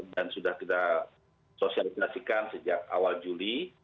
dan sudah kita sosialisasikan sejak awal juli